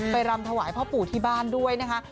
รำถวายพ่อปู่ที่บ้านด้วยนะคะ